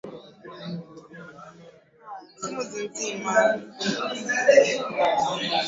viazi lishe vina virutubisho muhimu kwa mwili wa binadam